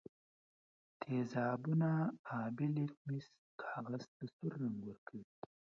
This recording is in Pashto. تیزابونه آبي لتمس کاغذ ته سور رنګ ورکوي.